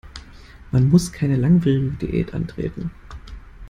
Man muss keine langwierige Diät antreten.